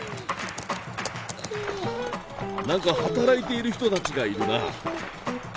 何か働いている人たちがいるな。